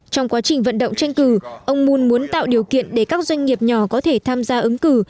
trong quá trình vận động tranh cử ông moon muốn tạo điều kiện để các doanh nghiệp nhỏ có thể tham gia ứng cử